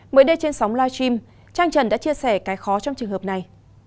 mới đây trên sóng live stream trang trần đã chia sẻ cái khó trong trường hợp này